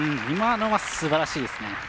今のはすばらしいですね。